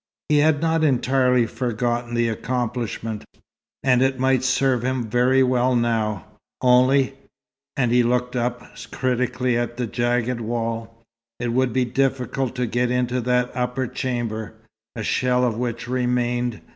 He had not entirely forgotten the accomplishment, and it might serve him very well now, only and he looked up critically at the jagged wall it would be difficult to get into that upper chamber, a shell of which remained.